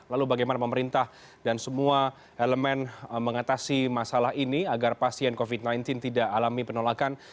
lalu bagaimana pemerintah dan semua elemen mengatasi masalah ini agar pasien covid sembilan belas tidak alami penolakan